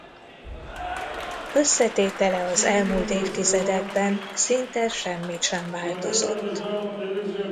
Összetétele az elmúlt évtizedekben szinte semmit sem változott.